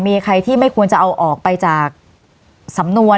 มีใครที่ไม่ควรจะเอาออกไปจากสำนวน